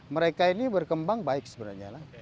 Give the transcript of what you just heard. mereka ini berkembang baik sebenarnya